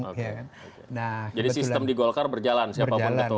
jadi sistem di golkar berjalan siapapun ketua umumnya